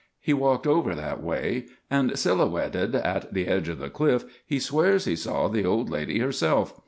He walked over that way and silhouetted at the edge of the cliff he swears he saw the old lady herself.